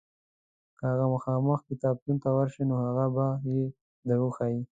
که هغه مخامخ کتابتون ته ورشې نو هغوی به یې در وښیي.